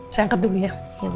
saya angkat dulu ya